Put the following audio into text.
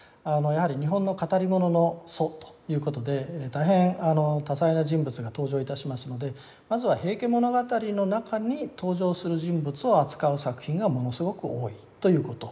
やはり日本の語り物の祖ということで大変多彩な人物が登場いたしますのでまずは「平家物語」の中に登場する人物を扱う作品がものすごく多いということ。